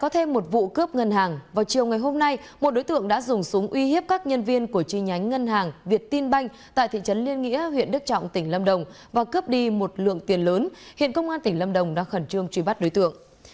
thêm một vụ cướp ngân hàng vào chiều ngày hôm nay một đối tượng đã dùng súng uy hiếp các nhân viên của chi nhánh ngân hàng việt tin banh tại thị trấn liên nghĩa huyện đức trọng tỉnh lâm đồng và cướp đi một lượng tiền lớn hiện công an tỉnh lâm đồng đang khẩn trương truy bắt đối tượng